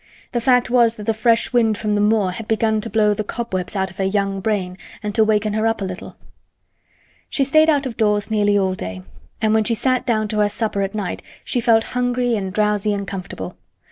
The fact was that the fresh wind from the moor had begun to blow the cobwebs out of her young brain and to waken her up a little. She stayed out of doors nearly all day, and when she sat down to her supper at night she felt hungry and drowsy and comfortable.